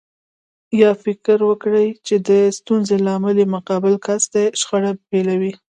يا فکر وکړي چې د ستونزې لامل يې مقابل کس دی شخړه پيلوي.